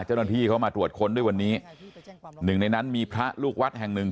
เจ้าหน้าที่เขามาตรวจค้นด้วยวันนี้หนึ่งในนั้นมีพระลูกวัดแห่งหนึ่ง